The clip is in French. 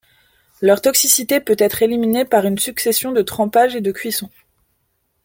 Leur toxicité peut être éliminée par une succession de trempages et de cuissons.